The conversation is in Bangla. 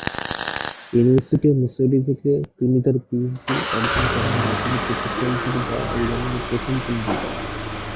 ইউনিভার্সিটি অফ মিসৌরি থেকে তিনি তার পিএইচডি অর্জন করেন যা ছিল প্রতিষ্ঠানটির দেওয়া এধরনের প্রথম কোন ডিগ্রি।